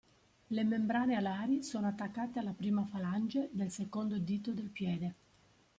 Le membrane alari sono attaccate alla prima falange del secondo dito del piede.